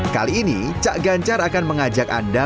kali ini cak ganjar akan mengajak anda